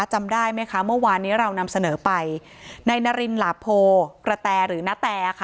จำได้ไหมคะว่านี้เรานำเสนอไปในนารินหลาโพกระแท้หรือนะแต้ค่ะ